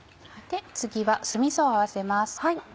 次は酢みそを合わせます。